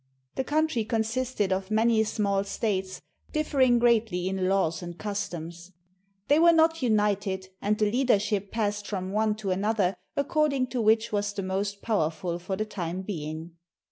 The country consisted of many small states differing greatly in laws and customs. They were not united, and the leadership passed from one to another according to which was the most powerful for the time being.